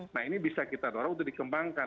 nah ini bisa kita dorong untuk dikembangkan